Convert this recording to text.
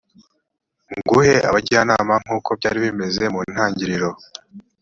nguhe abajyanama nk uko byari bimeze mu ntangiriro